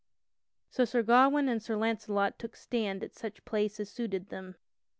So Sir Gawain and Sir Launcelot took stand at such place as suited them.